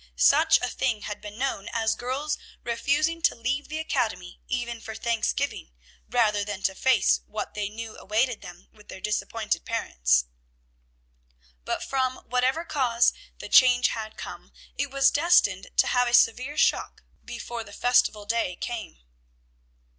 Such a thing had been known as girls refusing to leave the academy even for Thanksgiving, rather than to face what they knew awaited them with their disappointed parents. But from whatever cause the change had come, it was destined to have a severe shock before the festival day came.